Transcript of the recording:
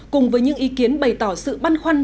cùng với những ý kiến bày tỏ sự băn khoăn